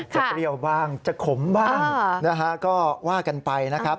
เปรี้ยวบ้างจะขมบ้างนะฮะก็ว่ากันไปนะครับ